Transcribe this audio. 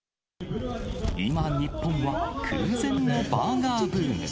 今、日本は、空前のバーガーブーム。